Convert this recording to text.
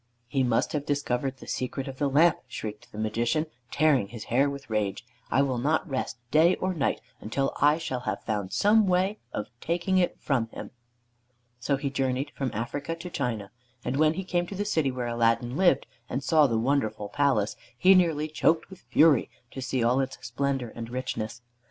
"He must have discovered the secret of the lamp," shrieked the Magician, tearing his hair with rage. "I will not rest day or night until I shall have found some way of taking it from him." So he journeyed from Africa to China, and when he came to the city where Aladdin lived and saw the wonderful palace, he nearly choked with fury to see all its splendor and richness.